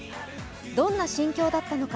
どんな心境だったのか。